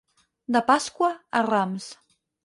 De Pasqua a Rams.